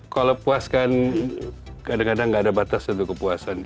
kalau puas kan kadang kadang gak ada batas untuk kepuasan